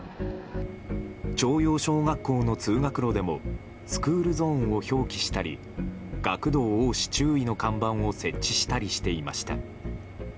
朝陽小学校の通学路でもスクールゾーンを表記したり「学童多し注意」の看板を設置したりしていました。